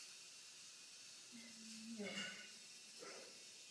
Její životní osud byl úzce spjat se čtvrtou křížovou výpravou.